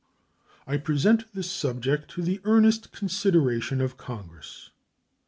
I present this subject to the earnest consideration of Congress.